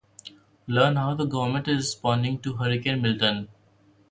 Learn how the government is responding to Hurricane Milton.